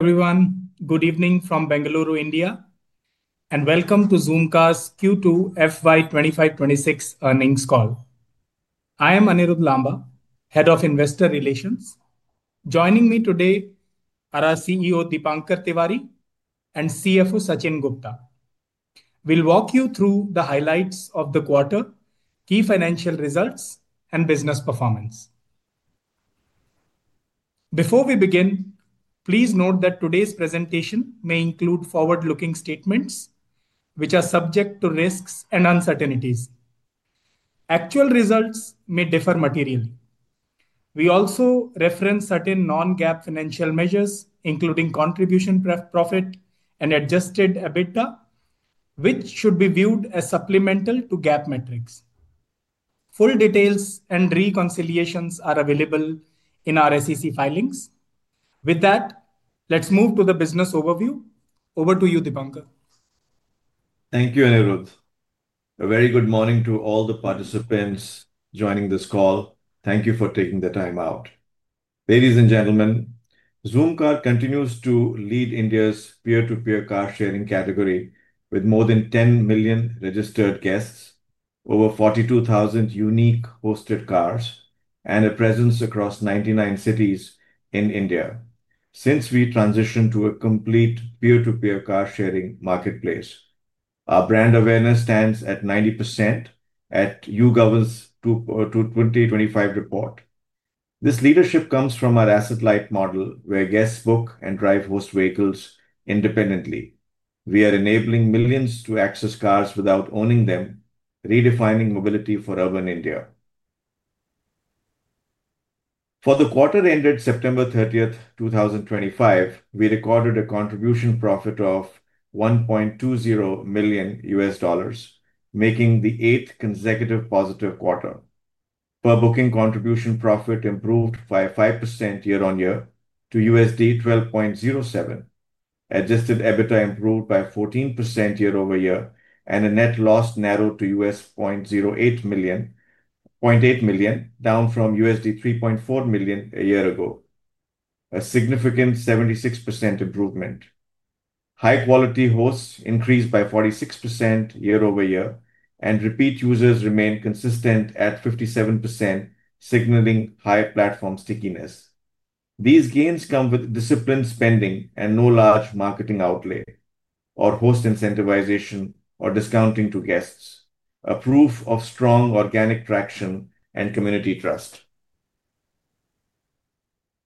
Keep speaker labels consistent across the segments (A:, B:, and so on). A: Everyone, good evening from Bengaluru, India, and welcome to Zoomcar's Q2 FY 2025-2026 earnings call. I am Anirudh Lamba, Head of Investor Relations. Joining me today are our CEO, Deepankar Tiwari, and CFO, Sachin Gupta. We'll walk you through the highlights of the quarter, key financial results, and business performance. Before we begin, please note that today's presentation may include forward-looking statements, which are subject to risks and uncertainties. Actual results may differ materially. We also reference certain non-GAAP financial measures, including contribution profit and Adjusted EBITDA, which should be viewed as supplemental to GAAP metrics. Full details and reconciliations are available in our SEC filings. With that, let's move to the business overview. Over to you, Deepankar.
B: Thank you, Anirudh. A very good morning to all the participants joining this call. Thank you for taking the time out. Ladies and gentlemen, Zoomcar continues to lead India's peer-to-peer car-sharing category with more than 10 million registered guests, over 42,000 unique hosted cars, and a presence across 99 cities in India. Since we transitioned to a complete peer-to-peer car-sharing marketplace, our brand awareness stands at 90% at YouGov's 2025 report. This leadership comes from our asset-light model, where guests book and drive host vehicles independently. We are enabling millions to access cars without owning them, redefining mobility for urban India. For the quarter ended September 30, 2025, we recorded a contribution profit of $1.20 million, making the eighth consecutive positive quarter. Per-booking contribution profit improved by 5% year-on-year to $12.07. Adjusted EBITDA improved by 14% year-over-year, and a net loss narrowed to $0.8 million, down from $3.4 million a year ago, a significant 76% improvement. High-quality hosts increased by 46% year-over-year, and repeat users remain consistent at 57%, signaling high platform stickiness. These gains come with disciplined spending and no large marketing outlay or host incentivization or discounting to guests, a proof of strong organic traction and community trust.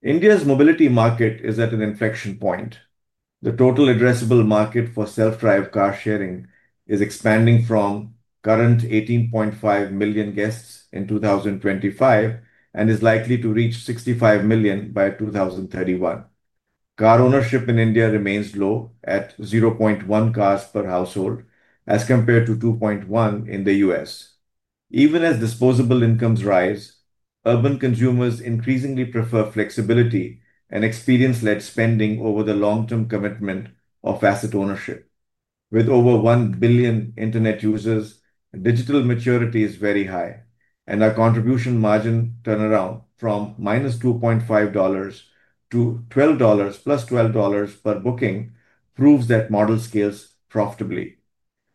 B: India's mobility market is at an inflection point. The total addressable market for self-drive car-sharing is expanding from current 18.5 million guests in 2025 and is likely to reach 65 million by 2031. Car ownership in India remains low at 0.1 cars per household, as compared to 2.1 in the U.S. Even as disposable incomes rise, urban consumers increasingly prefer flexibility and experience-led spending over the long-term commitment of asset ownership. With over 1 billion internet users, digital maturity is very high, and our contribution margin turnaround from minus $2.5 to plus $12 per booking proves that model scales profitably.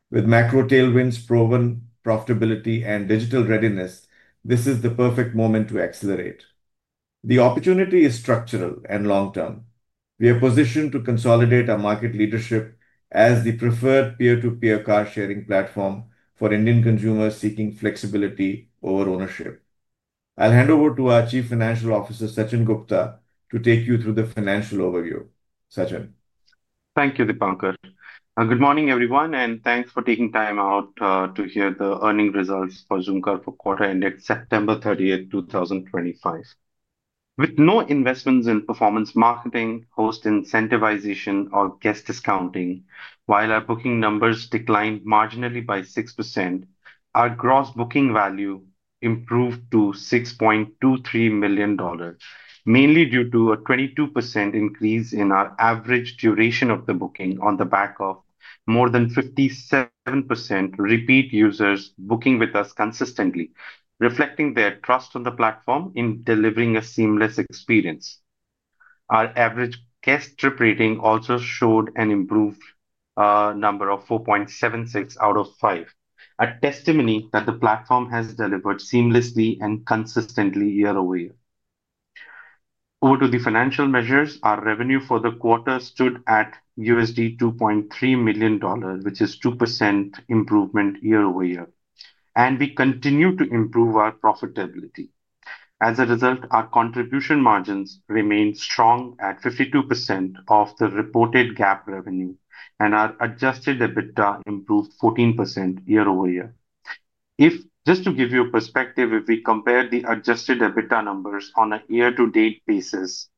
B: With macro tailwinds, proven profitability, and digital readiness, this is the perfect moment to accelerate. The opportunity is structural and long-term. We are positioned to consolidate our market leadership as the preferred peer-to-peer car-sharing platform for Indian consumers seeking flexibility over ownership. I'll hand over to our Chief Financial Officer, Sachin Gupta, to take you through the financial overview. Sachin.
C: Thank you, Deepankar. Good morning, everyone, and thanks for taking time out to hear the earning results for Zoomcar for quarter ended September 30, 2025. With no investments in performance marketing, host incentivization, or guest discounting, while our booking numbers declined marginally by 6%, our gross booking value improved to $6.23 million, mainly due to a 22% increase in our average duration of the booking on the back of more than 57% repeat users booking with us consistently, reflecting their trust in the platform in delivering a seamless experience. Our average guest trip rating also showed an improved number of 4.76 out of 5, a testimony that the platform has delivered seamlessly and consistently year-over-year. Over to the financial measures. Our revenue for the quarter stood at $2.3 million, which is a 2% improvement year-over-year, and we continue to improve our profitability. As a result, our contribution margins remain strong at 52% of the reported GAAP revenue, and our Adjusted EBITDA improved 14% year-over-year. If just to give you a perspective, if we compare the Adjusted EBITDA numbers on a year-to-date basis,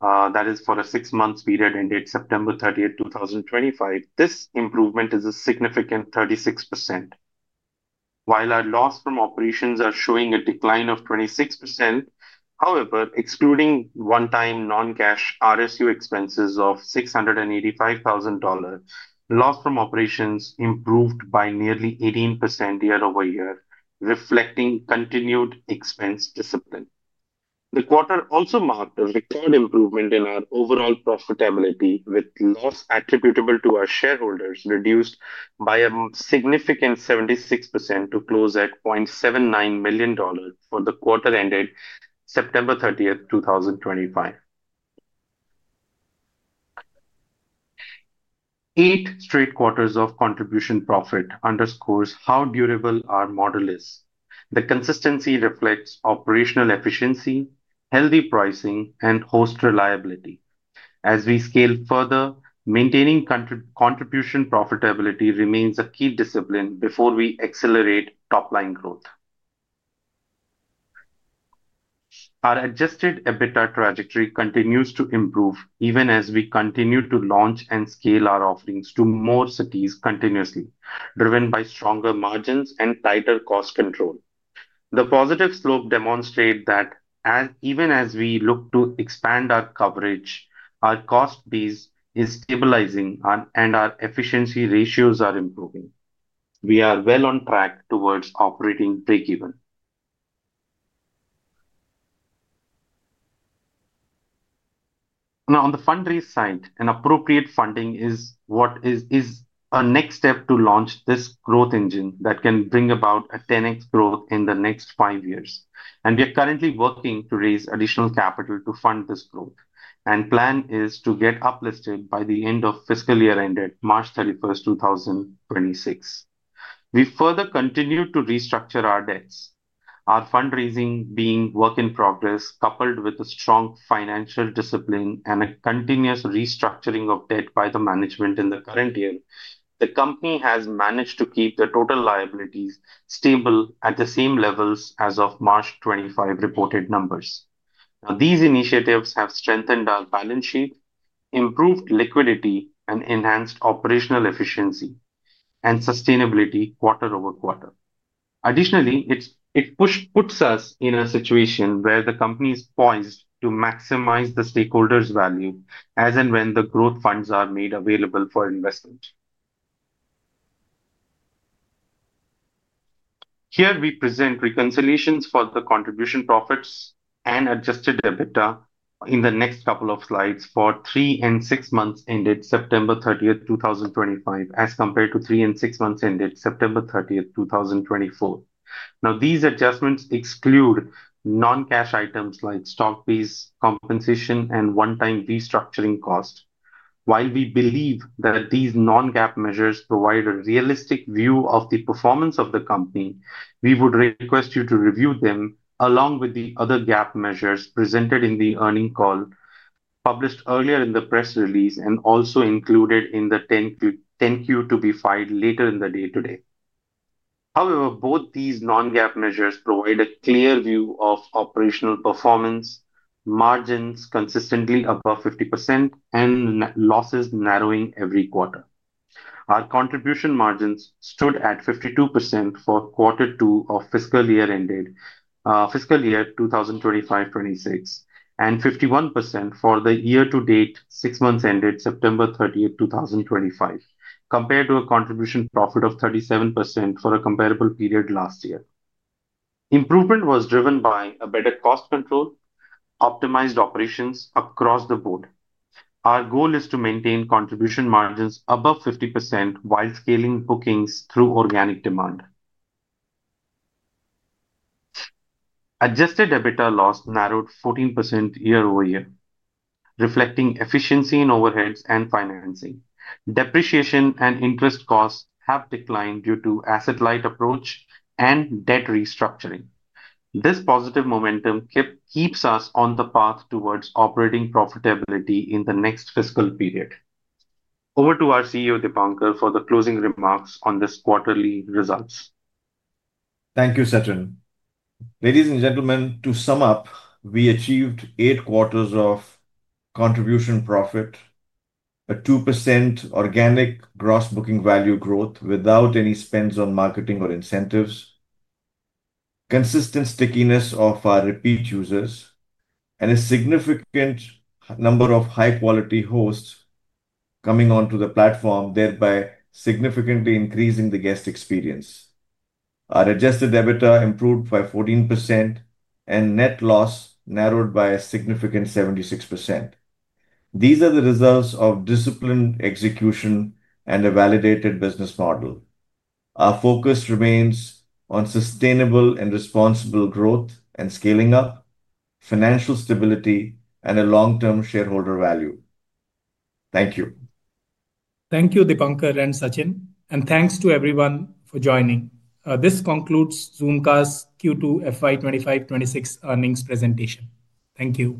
C: that is for a six-month period ended September 30th, 2025, this improvement is a significant 36%. While our loss from operations is showing a decline of 26%, however, excluding one-time non-cash RSU expenses of $685,000, loss from operations improved by nearly 18% year-over-year, reflecting continued expense discipline. The quarter also marked a record improvement in our overall profitability, with loss attributable to our shareholders reduced by a significant 76% to close at $0.79 million for the quarter ended September 30th, 2025. Eight straight quarters of contribution profit underscores how durable our model is. The consistency reflects operational efficiency, healthy pricing, and host reliability. As we scale further, maintaining contribution profitability remains a key discipline before we accelerate top-line growth. Our Adjusted EBITDA trajectory continues to improve even as we continue to launch and scale our offerings to more cities continuously, driven by stronger margins and tighter cost control. The positive slope demonstrates that even as we look to expand our coverage, our cost base is stabilizing and our efficiency ratios are improving. We are well on track towards operating break-even. Now, on the fundraise side, appropriate funding is what is a next step to launch this growth engine that can bring about a 10x growth in the next five years. We are currently working to raise additional capital to fund this growth, and the plan is to get uplisted by the end of fiscal year ended March 31st, 2026. We further continue to restructure our debts. Our fundraising being work in progress, coupled with a strong financial discipline and a continuous restructuring of debt by the management in the current year, the company has managed to keep the total liabilities stable at the same levels as of March 25 reported numbers. Now, these initiatives have strengthened our balance sheet, improved liquidity, and enhanced operational efficiency and sustainability quarter over quarter. Additionally, it puts us in a situation where the company is poised to maximize the stakeholders' value as and when the growth funds are made available for investment. Here we present reconciliations for the contribution profits and Adjusted EBITDA in the next couple of slides for three and six months ended September 30, 2025, as compared to three and six months ended September 30, 2024. Now, these adjustments exclude non-cash items like stock fees, compensation, and one-time restructuring cost. While we believe that these non-GAAP measures provide a realistic view of the performance of the company, we would request you to review them along with the other GAAP measures presented in the earnings call published earlier in the press release and also included in the 10Q to be filed later in the day today. However, both these non-GAAP measures provide a clear view of operational performance, margins consistently above 50%, and losses narrowing every quarter. Our contribution margins stood at 52% for quarter two of fiscal year ended fiscal year 2025-2026 and 51% for the year-to-date six months ended September 30th, 2025, compared to a contribution profit of 37% for a comparable period last year. Improvement was driven by better cost control, optimized operations across the board. Our goal is to maintain contribution margins above 50% while scaling bookings through organic demand. Adjusted EBITDA loss narrowed 14% year-over-year, reflecting efficiency in overheads and financing. Depreciation and interest costs have declined due to asset-light approach and debt restructuring. This positive momentum keeps us on the path towards operating profitability in the next fiscal period. Over to our CEO, Deepankar Tiwari, for the closing remarks on this quarterly results.
B: Thank you, Sachin. Ladies and gentlemen, to sum up, we achieved eight quarters of contribution profit, a 2% organic gross booking value growth without any spends on marketing or incentives, consistent stickiness of our repeat users, and a significant number of high-quality hosts coming onto the platform, thereby significantly increasing the guest experience. Our Adjusted EBITDA improved by 14%, and net loss narrowed by a significant 76%. These are the results of disciplined execution and a validated business model. Our focus remains on sustainable and responsible growth and scaling up, financial stability, and a long-term shareholder value. Thank you.
A: Thank you, Deepankar and Sachin, and thanks to everyone for joining. This concludes Zoomcar's Q2 FY2025-2026 earnings presentation. Thank you.